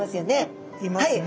いますね。